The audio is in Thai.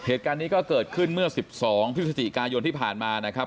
เหตุการณ์นี้ก็เกิดขึ้นเมื่อ๑๒พฤศจิกายนที่ผ่านมานะครับ